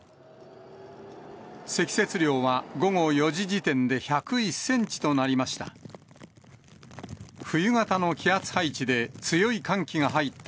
積雪量は午後４時時点で１０１センチとなりました。